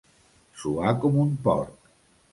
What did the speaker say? Suar com un porc.